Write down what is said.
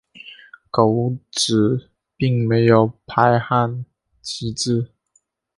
狗只并没有皮肤排汗机制。